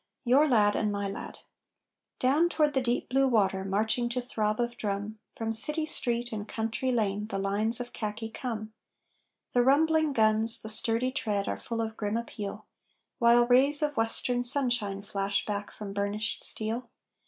YOUR LAD, AND MY LAD Down toward the deep blue water, marching to throb of drum, From city street and country lane the lines of khaki come; The rumbling guns, the sturdy tread, are full of grim appeal, While rays of western sunshine flash back from burnished steel.